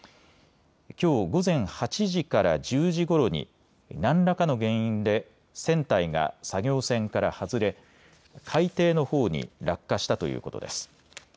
きょう午前８時から１０時ごろに何らかの原因で船体が作業船から外れ海底のほうに落下したということです。